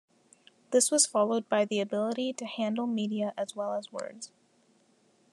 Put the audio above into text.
This was followed by the ability to handle media as well as words.